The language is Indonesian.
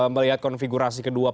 melihat konfigurasi kesehatan